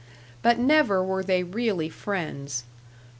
But never were they really friends.